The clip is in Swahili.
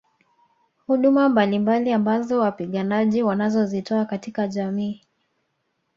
Huduma mbalimbali ambazo wapiganaji wanazozitoa katika jamii